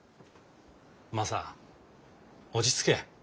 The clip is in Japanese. マサ落ち着け。